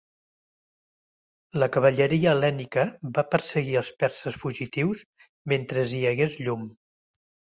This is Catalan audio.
La cavalleria hel·lènica va perseguir els perses fugitius mentre hi hagués llum.